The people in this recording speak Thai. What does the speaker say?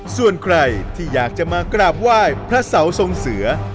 ส่วนใครที่อยากจะมากราบไหว้พระเสาทรงเสือ